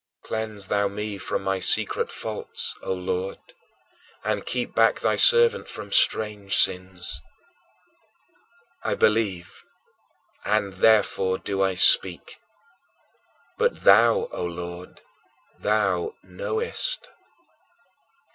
"Cleanse thou me from my secret faults," O Lord, "and keep back thy servant from strange sins." "I believe, and therefore do I speak." But thou, O Lord, thou knowest.